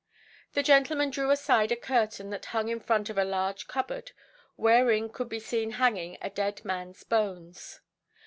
The gentleman drew aside a curtain that hung in front of a large cupboard, wherein could be seen hanging a dead man's bones.